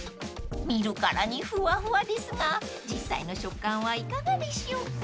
［見るからにふわふわですが実際の食感はいかがでしょうか？］